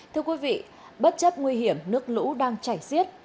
thưa quý vị bất chấp nguy hiểm nước lũ đang chảy xiết